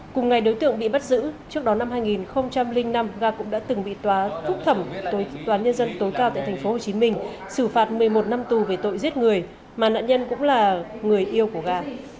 cùng ngày đối tượng bị bắt giữ trước đó năm hai nghìn năm ga cũng đã từng bị tòa phúc thẩm toán nhân dân tối cao tại tp hcm xử phạt một mươi một năm tù về tội giết người mà nạn nhân cũng là người yêu của ga